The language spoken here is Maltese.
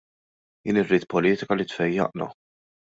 Jien irrid politika li tfejjaqna.